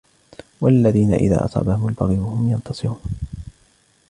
والذين إذا أصابهم البغي هم ينتصرون